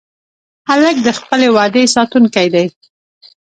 هلک د خپلې وعدې ساتونکی دی.